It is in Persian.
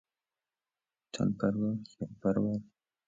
تن پرور- خیال پرور